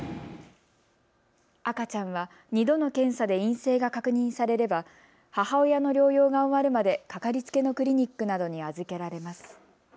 赤ちゃんは２度の検査で陰性が確認されれば母親の療養が終わるまで掛かりつけのクリニックなどに預けられます。